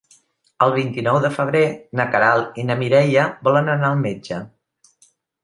El vint-i-nou de febrer na Queralt i na Mireia volen anar al metge.